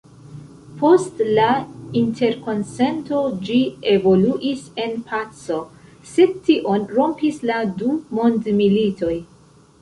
Post la Interkonsento ĝi evoluis en paco, sed tion rompis la du mondmilitoj.